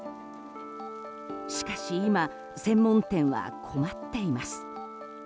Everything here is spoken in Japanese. しかし今、専門店は困っています。